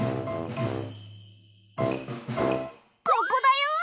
ここだよ！